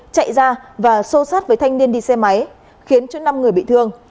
chạy ra và xô sát với thanh niên đi xe máy khiến cho năm người bị thương